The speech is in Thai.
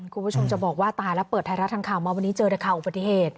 คุณผู้ชมจะบอกว่าตายแล้วเปิดไทยรัฐทางข่าวมาวันนี้เจอแต่ข่าวอุบัติเหตุ